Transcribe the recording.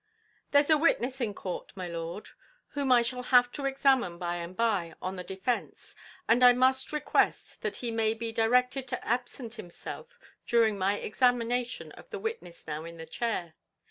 "There's a witness in court, my lord, whom I shall have to examine by and by on the defence, and I must request that he may be directed to absent himself during my examination of the witness now in the chair.